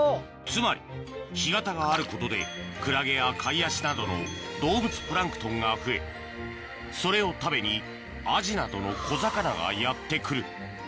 つまり干潟があることでクラゲやカイアシなどの動物プランクトンが増えそれを食べにアジなどの小魚がやって来る